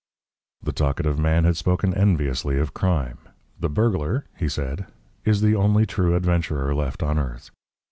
The talkative man had spoken enviously of crime. "The burglar," he said, "is the only true adventurer left on earth.